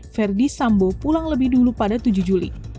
verdi sambo pulang lebih dulu pada tujuh juli